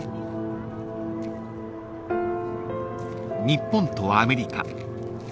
［日本とアメリカ］